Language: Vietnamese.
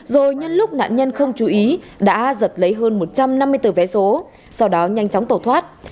rồi nhân lúc nạn nhân không chú ý đã giật lấy hơn một trăm năm mươi tờ vé số sau đó nhanh chóng tổ thoát